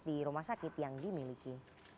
di rumah sakit yang dimiliki